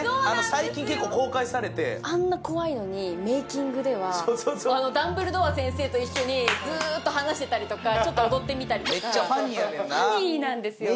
最近結構公開されてあんな怖いのにメイキングではダンブルドア先生と一緒にずーっと話してたりとかちょっと踊ってみたりとかファニーなんですよね